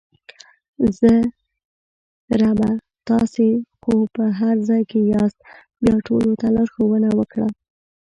زه: ربه تاسې خو په هر ځای کې یاست بیا ټولو ته لارښوونه وکړه!